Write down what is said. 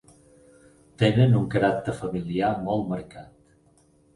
Tenen un caràcter familiar molt marcat.